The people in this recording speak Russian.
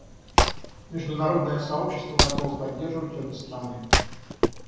Международное сообщество готово поддерживать обе страны.